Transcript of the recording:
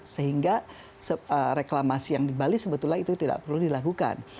sehingga reklamasi yang di bali sebetulnya itu tidak perlu dilakukan